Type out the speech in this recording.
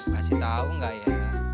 masih tau gak ya